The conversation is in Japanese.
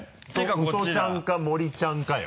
宇都ちゃんか森ちゃんかよ。